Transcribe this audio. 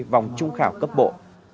vòng trung khảo cấp bộ